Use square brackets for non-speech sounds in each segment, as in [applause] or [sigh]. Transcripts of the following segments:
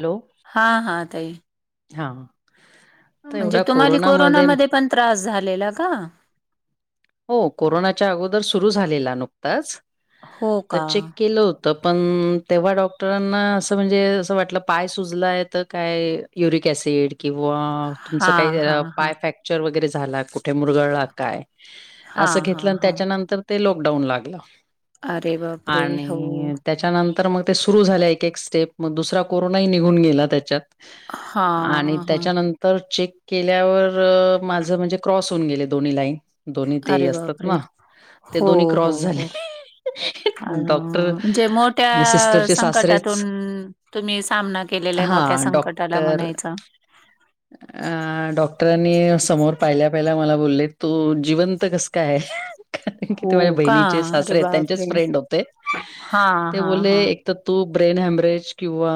Hello! हा हा ताई. हा. तर म्हणजे एवढ्या तुम्हाला कोरोनामध्ये पण त्रास झालेला का? हो कोरोनाच्या अगोदर सुरू झालेला नुकताच. हो तर का? चेक केलं हो तर पण तेव्हा डॉक्टरांना असं म्हणजे असं वाटलं पाय सुजलाय तर काय- युरिक ऍसिड किंवा हा तुमचं काही हा हा. पाय फॅक्ट चर वगैरे झाला कुठे मुरगळला काय हा असं हा घेतलं हा. त्याच्यानंतर- ते लॉकडाऊन लागलं. अरे बाप रे हो. आणि त्याच्यानंतर मग ते सुरु झाल्या एक एक स्टेप. मग दुसरा कोरोनाही निघून गेला त्याच्यात. आणि हां हां. त्याच्यानंत तर चेक केल्यावर माझं म्हणजे क्रॉस होऊन गेले दोन्ही लाईन. दोन्ही ते अरे असतात बाप रे ना ते हो दोन्ही हो क्रॉस झाले. हो. अ डॉक्टर म्हणजे मोठ्या आणि सिस्टरचे सासरेच संकटातून तुम्ही सामना केलेला आहे मोठ्या हां, संकटाला डॉक्टर म्हणायचा. अ डॉक्टरांनी समोर पाहिल्या पाहिल्या मला बोलले तू जिवंत कस काय? कारण की ते माझ्या हो का? बहिणीचे अरे सासरे त्यांचेच बापरे! फ्रेंड होते. हां ते हां हां. बोलले, तर तू ब्रेन हॅमरेज किंवा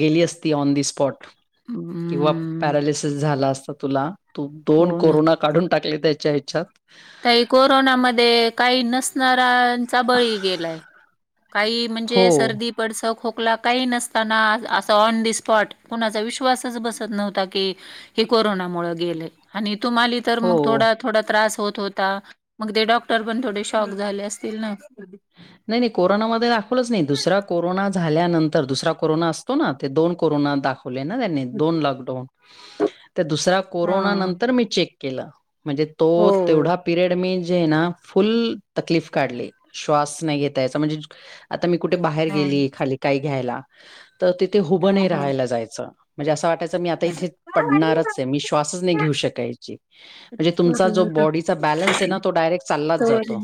गेली असती ऑन द स्पॉट. किंवा हम्म. पॅरालीसीस झाला अस तुला. तू दोन हो ना. कोरोना काढून टाकले. च्याच्याात. ताई कोरोनामध्ये काही नसणारा काहींचा बळी गेलाय. काही हो, म्हणजे सर्दी पडदा खोकला काही नसताना असं ऑन द स्पॉट. कोणाचा विश्वासच बसत नव्हता की हे कोरोनामुळे गेल. आणि तुमाले तर मग हो. थोडा थोडा त्रास होत होत ता मग ते डॉक्टर पण थोडे शॉक झाले असतील ना. नाही नाही कोरोनामध्ये दाखवलंच नाही. दुसरा कोरोना झाल्यानंतर दुसरा कोरोना ते दोन कोरोना दाखव बोले ना त्यांनी लॉकडाउन. तर दुसरा कोरोना हा. नंतर मी चेक केलं. म्हणजे तो हो. तेवढा पिरियड मी जे ना फुल तकलीफ काढली. श्वास नाही घेता यायचा. म्हणजे आता मी कुठे बाहेर हा. गेली खाली काही घ्यायला तर तिथे हा. हुबं नाही हा. राहायला जायचं. म्हणजे असं वाटायचं मी आता इथे पडणारच आहे. मी श्वासच नाही घेऊ शकायची. म्हणजे तुमचा जो बॉडीचा बॅलन्स आहे ना तो डायरेक्ट चाललाच जातो.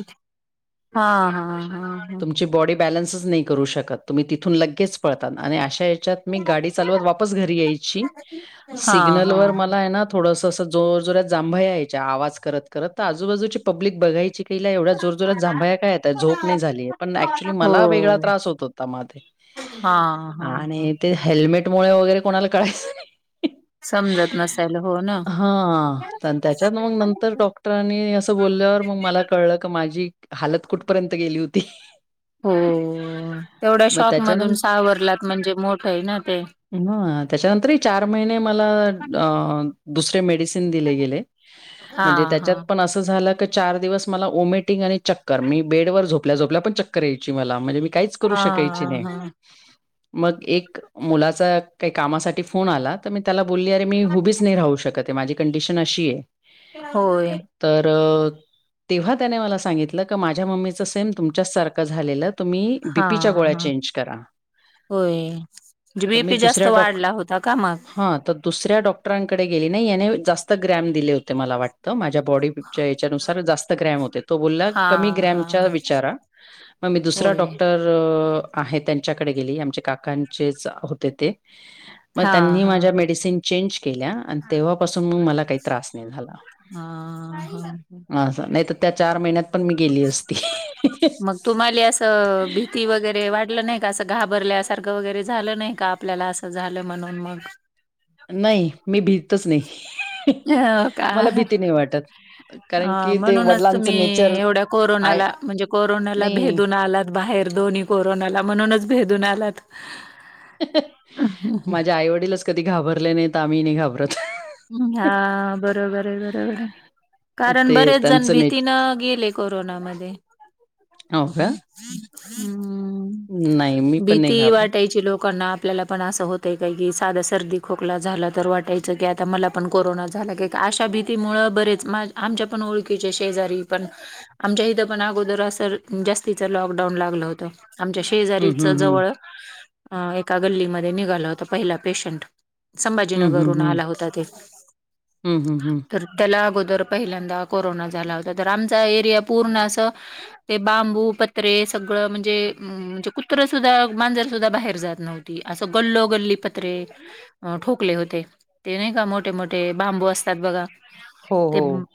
हा हा हा. तुमची बॉडी बॅलन्सच नाही करू शकत. तुम्ही तिथून लगेच पळतात आणि अशा म गाडी चालत वापस घरी यायची. हा. हा. हा. सिग्नल वर हा. मला हे ना थोडस अस जोर जोरात जांभया यायच्या. आवाज करत करत तर आजूबाजूची पब्लिक बघायची तिला एवढ जोरजोरात जांभया का झोप नाही झाली. पण ऍक्च्युली हो. मला वेगळा त्रास होत होता मात्र हा. हा. हा. आणि ते हेल्मेट मुळे वगैरे कोणाला कळायचं समजत नसायला हो ना. हा त्याच्यात मग नंतर डॉक्टरांनी असं बोलल्यावर मग मला कळलं का माझी हात कुठपर्यंत गेली होती. हो तेवढ्या मग शॉक मधून त्याच्यानंतर सावरलात म्हणजे मोठ आहे ना ते. ह त्याच्यानंतर चार महिने मला दुर मेड. ण हा हा च. मला वमिटंग आणि चक्कर मी बेड व झोपल्याोपल्या पण चक्कर याय मला म्हणजे मी काच. करू हा शकायची नाही हा मग एक. मुलाचा काही कामासाठी फोन आला तर मी त्याला बोलली अरे मी हुबीच नाही राहू शकत माझी कंडिशन अशी आहे. होय. तर. तेव्हा त्याने मला सांगितलं माझ्या मम्मीचं सेम तुमच्या सारखं झालेलं तुम्ही? हा बीपीच्या गोळ्या हा चेंज करा." होय. ण तर मी बीपी जास्त दुसऱ्या डॉक वाढला होता का मग. हां. दुसऱ्या डॉक्टरांकडे गेली नाही याने जास्त ग्रॅम दिले होते. ते मला वाटतं माझ्या बॉडी याच्यानुसार जास्त ग्रॅम होते तो बोलला हा कमी हा ग्रॅमच्या हा विचारा. मग मी दुसरा होय डॉक्टर त्यांच्याकडे गेली आम काकांचेच होते ते मग हा त्यांनी हा माझ्या हा मेडिसिन चेंज केल्या आणि तेव्हापासून मग मला काही त्रास नाही झाला. हा ह असं नाही तर त्या चार महिन्यात पण मी गेली असती. मग तुम्हाला असं भीती वगैरे वाढलं नाही का असं घाबरल्यासारखं वगैरे झालं नाही का? आपल्याला असं झालं म्हणून मग. नाही मी भितच नाही. हो मला का भीती नाही वाटत कारण अ की ते म्हणूनच वडलांच तुम्ही नेचर एवढ्या आहे. कोरोनाला म्हणजे कोरोनाला भेदून आलात बाहेर दोन्ही कोरोनाला म्हणूनच भेदून आलात. माझ्या आईवडीलच कधी घाबरले नाही तर आम्ही नाही घाबरत. हा बरोबर आहे बरोबर कारण ते बरेच जण त्यांचं नेच भीतीन गेले. कोरोनामध्ये हो का? ह् नाही, मी पण नाही भीती घाबरत. वाटहीचोकणा आपल्याला पण असं होत आहे काय की साधा सर्दी खोकला झाला तर वाटायचं की आ. आता मला पण कोरोना झाला की अशा भीतीमुळ बरेच आमच्या पण ओळखीचे शेजारी पण आमच्या इथ पण अगोदर अस जास्तीच लॉकडाऊन लागलं होतं आमच्या हं, शेजारीच हं, हं. जवळ एका गल्लीमध्ये निघाला होता पहिला पेशंट हं, हं, संभाजीनगरून हं. आला होता ते हं, हं, हं. तर त्याला अगोदर पहिल्यांदा कोरोना झाला होता तर आमचा एरिया पूर्ण अस. ते बांबू पत्रे सगळं म्हणजे म्हणजे कुत्र सुद्धा मांजर सुद्धा बाहेर जात नव्हत. असं गल्ल गल्ली पत्रे ठोकले होते ते का मोठे मोठे बांबू असतात बघा हो, ते हो.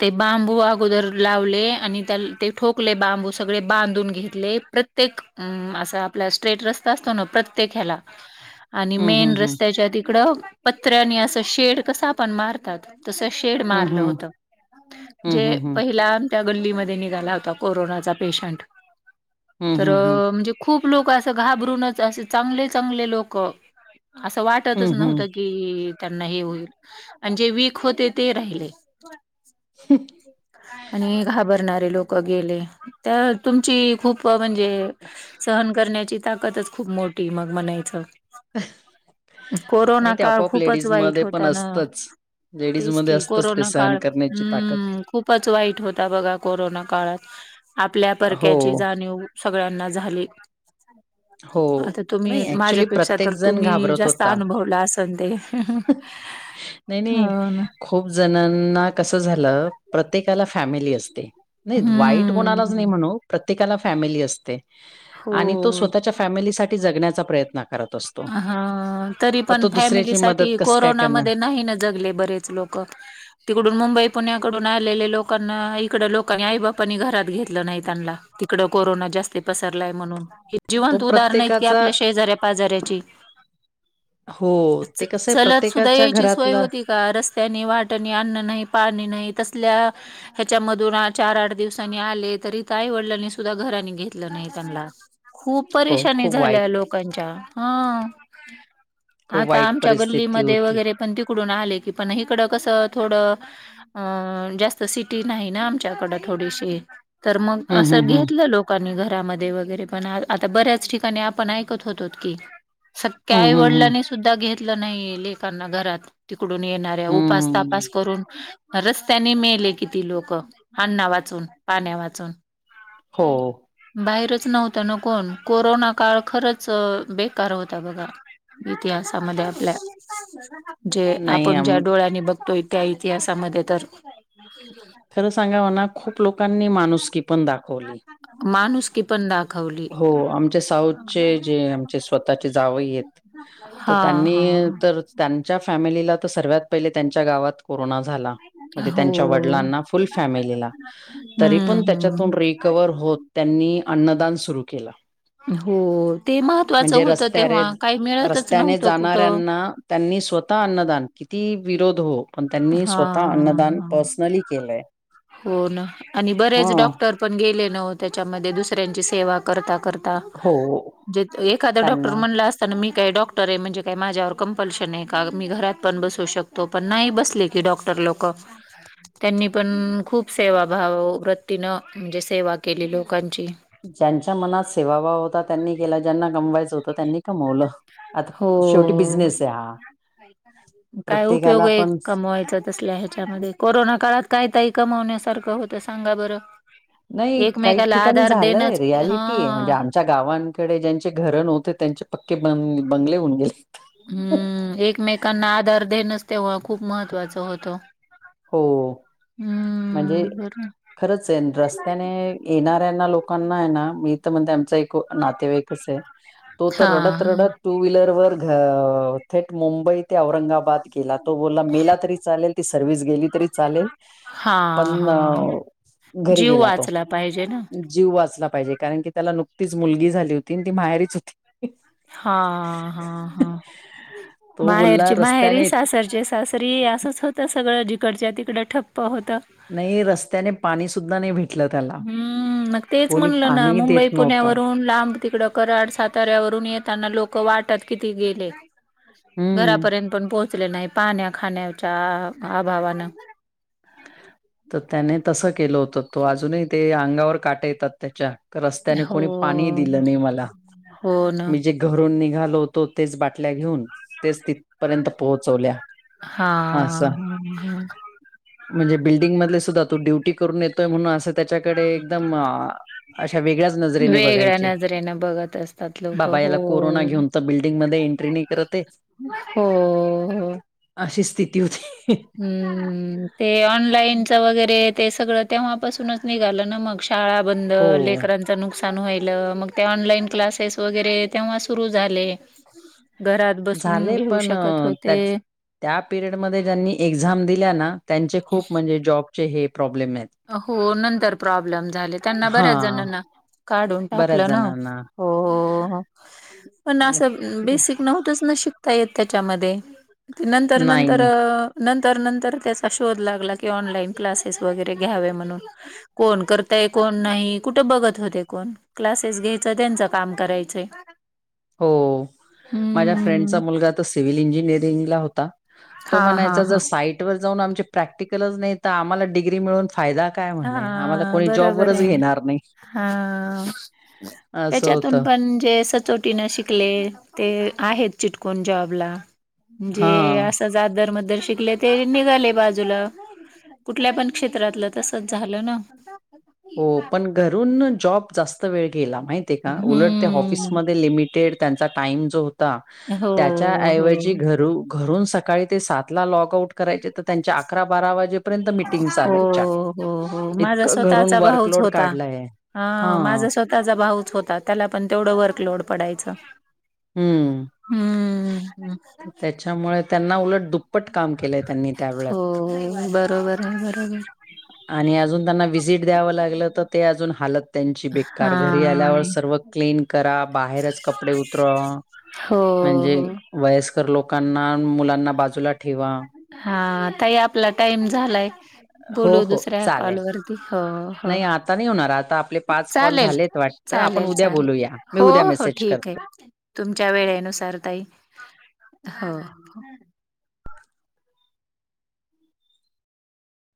ते बांबू अगोदर लावले आणि त्या ते ठोकले बांबू सगळे बांधून घेतले प्रत्ये प्रत्येक असा आपला स्ट्रेट रस्ता असतो ना प्रत्येक ह्याला [unintelligible] आणि हं, मेन हं. रस्त्याच्या तिकडं पत्र्यानी असं शेड कसा पण मारतात. तस शेड हं, मारलं हं. होत हं, जे हं, हं. पहिल्या त्या गल्लीमध्ये निघाला होता कोरोनाचा पेशंट हं, तर हं, हं. म्हणजे खूप लोक असं घाबरूनच असे चांगले चांगले लोक असं वाटतच हं, हं. नव्हतं की कि त्यांना हे होईल आणि जे वीक होते ते राहिले. आणि घाबरणारे लोक गेले त्या तुमची खूप म्हणजे सहन करण्याची ताकदच खूप मोठी मग म्हणायचं. नाही कोरोना ते काळ आपोआप खूप वाईट लेडीजमध्ये पण होता ना असतंच. तेच लेडीजमध्ये की असतंच ते कोरोना सहन काळ करण्याची ताकद. ह् खूपच वाईट होता बघा कोरोना काळात आपल्या हो, परक्याची जाणीव सगळ्यांना झाले. हो. आता तुम्ही नाही ॲक्चुअली माझ्यापेक्षा प्रत्येक तर जण तुम्ही घाबरत जास्त होता. अनुभवला असल ते नाही, नाही. हो ना. खूप जणांना कस झालं प्रत्येकाला फॅमिली असते. नाही वाईट कोणालाच नाही हम्म म्हणू प्रत्येकाला फॅमिली असते आणि तो हो स्व फॅमिलीसाठी जगण्याचा प्रयत्न असतो. हा तरी मग पण तो फॅमिली दुसऱ्याची मदत साठी कसं काय करणार? कोरोनामध्ये नाही ना जगले बरेच लोक क तिकडून मुंबई पुण्याकडून आलेले लोकांना इकड लोकांनी आई बापांनी घरात घेतलं नाही त्यांना तिकड कोरोना जास्त पसरलाय म्हणून तो जिवंत उदाहरणत की प्रत्येकाचा आपल्या शेजाऱ्या पाजा्या हो, ते कसं आहे चलत सुद्धा प्रत्येकाच्या यायची सोय घरातला होती. रस्त्यानी वाट्यानी अन्न नाही पाणी नाही तसल्या ह्याच्यामधून चार आठ दिवसांनी आले तरी तर आई वडिलांनी सुद्धा घरानी घेतलं नाही त्यांना खूप हो, परेशानी खूप वाईट, झाल्या लोकांच्या हा खूप आता वाईट आमच्या परिस्थिती गल्लीमध्ये होती. वगैरे पण तिकडून आले की पण इिकडं कसं थोडं अं जास्त सिटी नाही ना आमच्याकडं थोडीशी तर मग हं, हं, असं हं. घेतलं लोकांनी घरामध्ये वगैरे पण आता बऱ्याच ठिकाणी आपण ऐकत होतो. हं, स्याई हं, हं. वडिलांनी सुद्धा घेतलं नाही लेकांना घरात तिकडून येणाऱ्या उपास तपास हं. करून रस्त्याने मेले किती लोक अण्णा वाचून पाण्या वाचून हो. बाहेरच नव्हत न कोण कोरोना काळ खरच बेकार होता बघा इतिहासामध्ये आपल्या जे नाही, आपण ज्या अं, डोळ्यांनी बघतोय त्या इतिहासामध्ये तर खरं सांगा म्हणा खूप लोकांनी माणुसकी पण दाखवली. माणुस हो आमच्या साऊथ चे जे आमचे स्वतःचे जाव आहेत तर हा हा त्यांनी तर त्यांच्या फॅमिलीला तर सर्वत पहिले त्यांच्या गावात कोरोना झाला हा म्हणजे हो. त्यांच्या वडिलांना फुल फॅमिलीला तरी पण हम्म त्याच्या हम्म रिकवर होत त्यांनी अन्नदान सुरू केलं. हो ते महत्त्वाचं म्हणजे होतं रस्त्यार तेव्हा काही मिळतच रस्त्याने नव्हतं कुठं जाणाऱ्यांना त्यांनी स्वतः अन्नदान किती विरोध हो पण त्यांनी हा स्वतः अन्नदान हा. पर्सनली केलंय हो ना आणि ह बरेच डॉक्टर आपण गेले न त्याच्यामध्ये दुसऱ्यांची सेवा करता करता. हो एखाद डॉक्टर त्यांना म्हण अस. मी काय डॉक्टर आहे म्हणजे काय माझ्यावर कंपल्शन आहे का मी घरात पण बसू शकतो पण नाही बस. ल क डॉक्टर लोक त्यांनी पण खूप सेवा भाव वृत्तीनं म्हणजे सेवा केली लोकांची ज्यांच्या मनात सेवाभाव होता त्यांनी केला ज्यांना गमवायचं होतं त्यांनी कमवलं. आता हो शेवटी बिझनेस आहे हा. काय उपयोग प्रत्येकाला आहे पण कमवायचा तसल्या ह्याच्यामध्ये कोरोना काळात काय ताई कमवण्यासारखं होतं सांगा बरं नाही काही एकमेकाला ठिकाणी आधार झालंय देणंच रियालिटी आहे म्हणजे हा आम त्यांच्या गावांकडे ज्यांचे घर नव्हते त्यांचे पक्के बंगले होऊन गेले हम्म एकमेकांना आधार देनस तेव्हा खूप महत्वाच होतो हो म्हणजे बरं खरंच आहे रस्त्याने येणाऱ्यांना लोकांना आहे ना मी तर म्हणते आमच एक नातेवाईकच आहे तो तर हां, रडत रडत टू व्हीलरवर थेट मुंबईत ते औरंगाबाद गेला तो बोला मेला तरी चालेल ती सर्वि्हस गेली तरी चालेल हां, पण हां, हां. घरी जीव गेला तो वाचला पाहिजे ना. जीव वाचला पाहिजे कारण की त्याला नुकतीच मुलगी झाली होती आणि ती माहेरीच होती हा हा हा तो बोलला माहेरची माहेर रस्त्याने सासरचे सासर. तरी असंच होतं सगळं जिकडच्या तिकडं ठप्प होतं नाही रस्त्याने पाणी सुद्धा नाही भेट हम्म मग तेच म्हणलं ना पाणी देत मुंबई नव्हतं. पुण्यावरून लांब तिकडं कराड साताऱ्यावरून येताना लोक वाटत किती गेले हम्म. घरापर्यंत पण पोहोचले नाही पाण्या खाण्याच्या अभावानं तर त्याने तसं केलं होतं तो अजूनही ते अंगावर काटा येतात त्याच्या रस्त्याने कोणी हो, पाणी दिलं नाही मला हो ना. म्ही जे घरून निघालो होतो तेच बाटल्या घेऊन तेच तिथपर्यंत पोहोचवल्या हा अस हा हा म्हणजे बिल्डिंग मध सुद्धा तू ड्यु ून येतोय म्हणून अस त्याच्याकडे एकदम अशा वेगळ्याच नजरेने बघ नजरे बत असतात. लोक बाबा हो याला कोरोना घेऊन तर बिल्डिंगमध्येध्ये एंट्री नाही करतच हो हो. अशी स्थिती होती हम्म ते ऑनलाईनच वगैरे ते सगळं तेव्हा. पासूनच निघालं ना मग शाळा बंद हो लेकर. नुकसान व्हायलं मग ते ऑनलाईन क्लासेस वगैरे तेव्हा सुरू झाले. घरात बसून झाले घेऊ पण शकत अ, होते. त्याच त्या पिरियडमध्येध्ये ज्यांनी एक्झाम दिल्या ना त्यांचे खूप म्हणजे जॉबचे हे प्रॉब्लेम आहेत हो नंतर प्रॉब्लेम झाले त्यांना हा बऱ्याच जणांना. काढून बऱ्याच टाकलं ना जणांना हो पण असं बेसिक नव्हतच ना शिक. ता येत त्याच्यामध्ये ते नंतर नंतर. नाही नंतर नंतर त्याचा शोध लागला की ऑनलाईन क्लासेस वगैरे घ्यावे म्हणून. कोण करताय कोण नाही कुठं बघत होते कोण. क्लासेस घ्यायचं त्यांचं काम करायचंय. हो माझ्या हम्म फ्रेंडचा मुलगा तर सिव्हल इंजिनिअरिंगला होता. हा तो हा म्हणायचा हा. जर साईट वर जाऊन आमचे प्रॅक्टिकलच नाही तर आम्हाला डग्री मिळून फायदा. काय म्हणे आम्हाला हा कोणी बरोबर जॉबवरच आहे ना घेणार नाही हा. असं त्याच्यातून होतं पण जे सतत. शिकले ते आहेत चिटक जॉबलाे हा. अस दर मर शले ते निघाले बाजूला कुठल्या पण क्षेत्रातलं त. झालं ना. हो पण घरून जॉब जास्त वेळ गेला माहिती का उलट ते हम्म. ऑफिसमध्ये लिमिटेड त्यांचा टाईम जो होता हो त्याच्या हो. ऐवजी घ घरून सकाळी ते सात ला लॉग आउट करायच्या तर त्यांच्या अकरा बारा वाजेपर्यंत मीटिंग चालायच्या, हो हो हो माझा इतक घरून स्वतःचा भाऊच वर्कलोड होता. काढलाय. हा माझ स्वतःच त्याचा भाऊच होता, त्याला पण तेवढं वर्कलोड पडायचं. हम्म हम्म, हम्. त्याच्यामुळे त्यांना उलट दुप्पट काम केलंय त्यांनी त्या वेळात. हम, बरं. बरोबर आहे बरोबर [inaudible] आणि अजून त्यांना विजिट द्यावं लागलं तर ते अजून हाल त्यांची बेकार घरी आल्यावर हा सर्व क्लीन करा बाहेरच कपडे उतरवा हो म्हणजे हो. वयस्कर लोकांना मुलांना बाजूला ठेवा. हा ताई आपला टाइम झालाय हो बोलू हो दुसऱ्या चालेल. कॉलवररती हो हो नाही आता नाही होणार आता आपले पाच कॉल चालेल, झालेत वाटतं आपण चालेल उद्या -चालेल बोलूया मी हो उद्या हो मेसेज ठीक करते. आहे. तुमच्या वेळेनुसार ताई हो